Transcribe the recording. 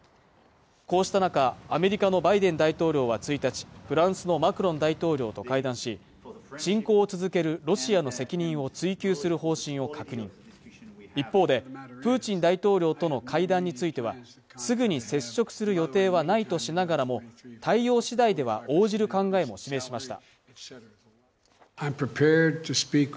こうした中アメリカのバイデン大統領は１日フランスのマクロン大統領と会談し侵攻を続けるロシアの責任を追及する方針を確認一方でプーチン大統領との会談についてはすぐに接触する予定はないとしながらも対応次第では応じる考えも示しました